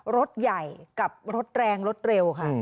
รถใหญ่กับรถแรงรถเร็วค่ะ